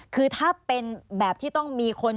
คือถ้าเป็นแบบที่ต้องมีคน